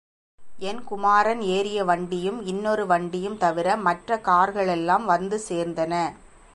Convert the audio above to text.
என் குமாரன் ஏறிய வண்டியும் இன்னொரு வண்டியும் தவிர மற்றக் கார்களெல்லாம் வந்து சேர்ந்தன.